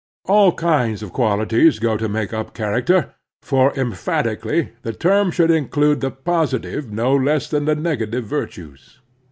All kinds of qualities go to make up character, for, emphatically, the term should include the positive no less than the negative virtues.